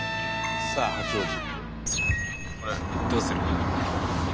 さあ八王子。